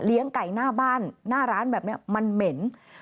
ไก่หน้าบ้านหน้าร้านแบบนี้มันเหม็น